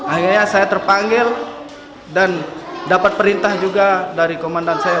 akhirnya saya terpanggil dan dapat perintah juga dari komandan saya